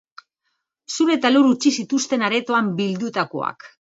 Zur eta lur utzi zituzten aretoan bildutakoak.